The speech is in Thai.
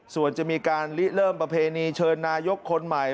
ส่วนจะมีการลิเริ่มประเพณีเชิญนายกคนใหม่